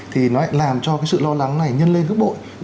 thì nó làm cho sự lo lắng này nhân lên cướp bội